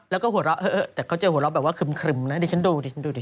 แล้วก็หัวเราะแต่เขาเจอหัวเราะแบบว่าครึ่มนะดิฉันดูดิดูดิ